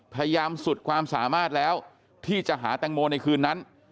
สุดความสามารถแล้วที่จะหาแตงโมในคืนนั้น